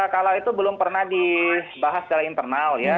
kalau itu belum pernah dibahas secara internal ya